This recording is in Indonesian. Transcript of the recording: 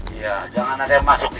iya jangan ada yang masuk